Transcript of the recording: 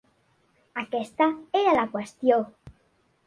Aquesta era la qüestió.